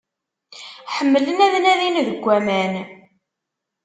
Ḥemmlen ad nadin deg aman.